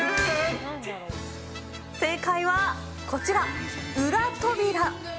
正解はこちら、裏扉。